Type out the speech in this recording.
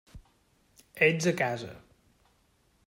Ets a casa.